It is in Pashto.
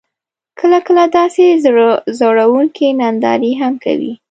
کله، کله داسې زړه خوړونکې نندارې هم کوي: